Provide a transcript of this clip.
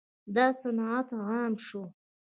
دا صنعت عام شو.